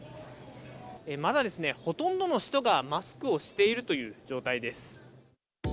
まだほとんどの人が、マスクをしているという状態です。